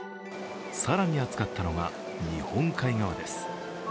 更に暑かったのが日本海側です。